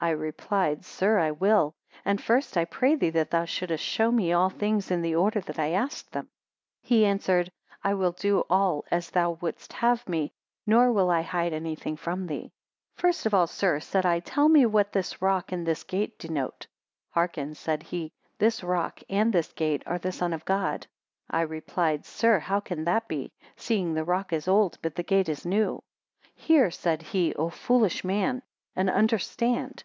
I replied, Sir, I will: and first I pray thee that thou shouldest show me all things in the order that I asked them. 108 He answered, I will do all as thou wouldst have me, nor will I hide any thing from thee. 109 First of all, Sir, said I, tell me, what this rock and this gate denote? Hearken, said he; this rock, and this gate, are the Son of God. I replied, Sir, how can that be; seeing the rock is old, but the gate new? 110 Hear, said he, O foolish man! and understand.